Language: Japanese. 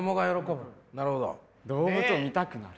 「動物を見たくなる」。